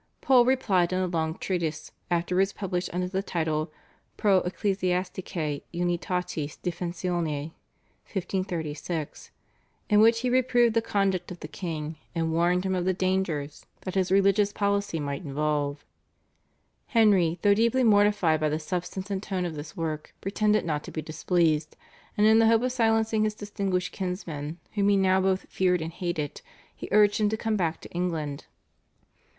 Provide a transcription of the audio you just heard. Pole replied in a long treatise afterwards published under the title /Pro ecclesiasticae unitatis Defensione/ (1536), in which he reproved the conduct of the king, and warned him of the dangers that his religious policy might involve. Henry, though deeply mortified by the substance and tone of this work, pretended not to be displeased, and in the hope of silencing his distinguished kinsman whom he now both feared and hated he urged him to come back to England.